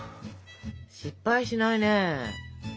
失敗しないね。